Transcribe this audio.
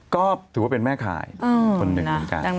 ก็ถือว่าเป็นแม่ขายคนหนึ่งเหมือนกัน